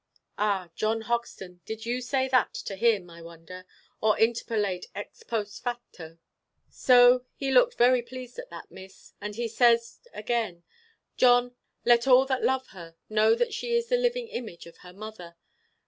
'" Ah, John Hoxton, did you say that to him, I wonder, or interpolate, ex post facto? "So he looked very pleased at that, Miss, and he says again, 'John, let all that love her know that she is the living image of her mother.